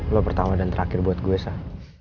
lo pertama dan terakhir buat gue sih